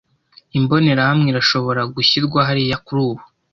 Imbonerahamwe irashobora gushyirwa hariya kuri ubu.